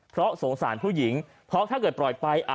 เพราะสงสารผู้หญิงเพราะถ้าเกิดปล่อยไป